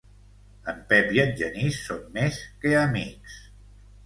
En Pep i en Genís són més que amics.